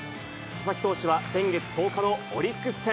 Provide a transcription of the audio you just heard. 佐々木投手は先月１０日のオリックス戦。